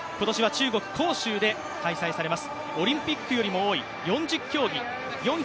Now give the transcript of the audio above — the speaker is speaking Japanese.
今年は中国・杭州で開催されます。